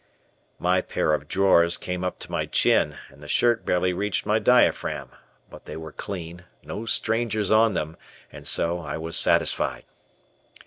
My pair of drawers came up to my chin and the shirt barely reached my diaphragm, but they were clean, no strangers on them, and so I was satisfied.